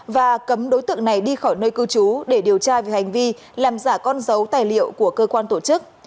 và cấm đối tượng này đi khỏi nơi cư trú để điều tra về hành vi làm giả con dấu tài liệu của cơ quan tổ chức